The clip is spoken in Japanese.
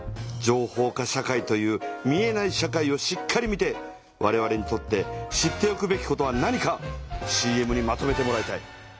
情報化社会という見えない社会をしっかり見てわれわれにとって知っておくべきことは何かＣＭにまとめてもらいたい。